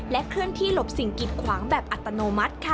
เคลื่อนที่หลบสิ่งกิดขวางแบบอัตโนมัติค่ะ